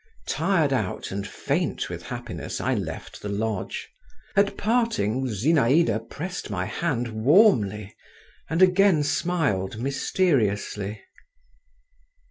Tired out and faint with happiness, I left the lodge; at parting Zinaïda pressed my hand warmly, and again smiled mysteriously.